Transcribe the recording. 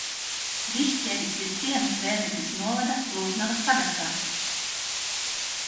Višķeri ir ciems Rēzeknes novada Lūznavas pagastā.